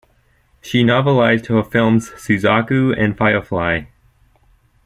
She novelized her films "Suzaku" and "Firefly".